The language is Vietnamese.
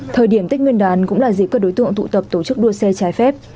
thời điểm tết nguyên đán cũng là dịp các đối tượng tụ tập tổ chức đua xe trái phép